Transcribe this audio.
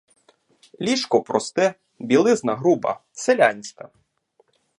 Ліжко просте, білизна груба, селянська.